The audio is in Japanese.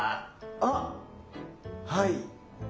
あっはい。